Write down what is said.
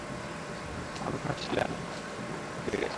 আমরা হাঁটছিলাম, হঠাৎ ওর মাথাটা ঘুরে গেছে।